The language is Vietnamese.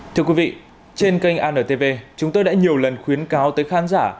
thưa quý vị trên kênh antv chúng tôi đã nhiều lần khuyến cáo tới khán giả